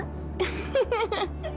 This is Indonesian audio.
atuh gawat deh